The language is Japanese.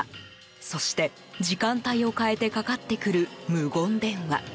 そして、時間帯を変えてかかってくる無言電話。